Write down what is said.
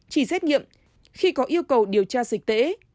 chỉ xét nghiệm khi có yêu cầu điều tra dịch tễ